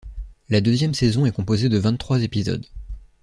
La deuxième saison est composée de vingt-trois épisodes.